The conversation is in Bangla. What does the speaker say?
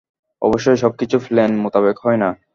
অবশ্যই সবকিছু প্ল্যান মোতাবেক হয় না।